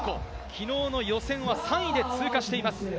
昨日の予選は３位で通過しています。